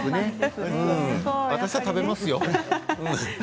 私は食べますよ。